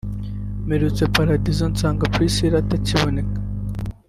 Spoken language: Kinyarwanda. mperutse paradizo nsanga Priscillah atakibonekaˮ